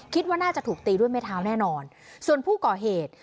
คิดว่าน่าจะถูกตีด้วยไม้เท้าแน่นอนส่วนผู้ก่อเหตุ